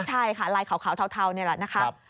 ใช่ค่ะลายขาวเทานี่แหละนะครับ